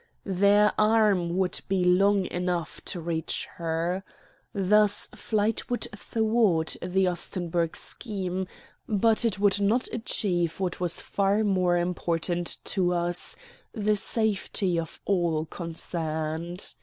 Their arm would be long enough to reach her. Thus flight would thwart the Ostenburg scheme, but it would not achieve what was far more important to us, the safety of all concerned.